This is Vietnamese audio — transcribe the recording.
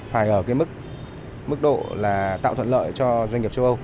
phải ở cái mức độ là tạo thuận lợi cho doanh nghiệp châu âu